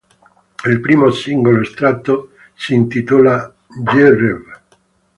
Il primo singolo estratto si intitola "Je rêve".